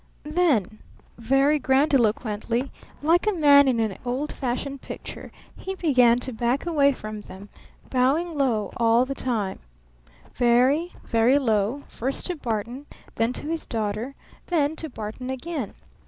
Then very grandiloquently, like a man in an old fashioned picture, he began to back away from them, bowing low all the time, very, very low, first to Barton, then to his daughter, then to Barton again.